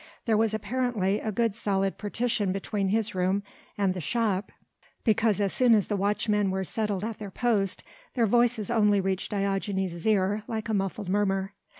There was apparently a good solid partition between his room and the shop because as soon as the watchmen were settled at their post their voices only reached Diogenes' ear like a muffled murmur.